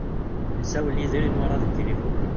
Isawel Yidir i Newwara di tilifun.